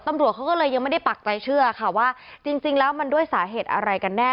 ตำรวจเขาก็เลยยังไม่ได้ปักใจเชื่อค่ะว่าจริงแล้วมันด้วยสาเหตุอะไรกันแน่